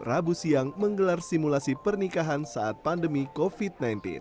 rabu siang menggelar simulasi pernikahan saat pandemi covid sembilan belas